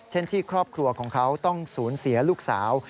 เช่นที่ครอบครัวของเขาต้องสูญเสียลูกสาว